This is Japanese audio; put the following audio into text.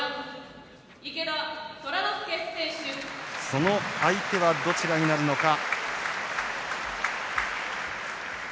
その相手はどちらになるのか。